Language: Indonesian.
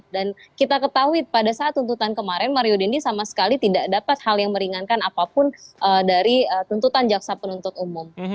dan kita ketahui pada saat tuntutan kemarin mario dendi sama sekali tidak dapat hal yang meringankan apapun dari tuntutan jaksa penuntut umum